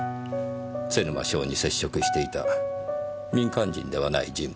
瀬沼翔に接触していた民間人ではない人物が。